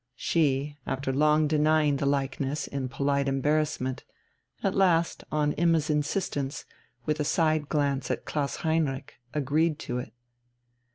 She, after long denying the likeness in polite embarrassment, at last, on Imma's insistence, with a side glance at Klaus Heinrich, agreed to it.